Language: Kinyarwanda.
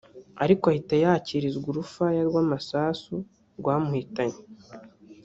ariko ahita yakirizwa urufaya rw’amasasu rwamuhitanye